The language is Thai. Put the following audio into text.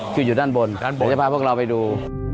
คืออยู่ด้านบนผมจะพาพวกเราไปดู